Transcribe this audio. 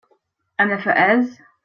And if it is?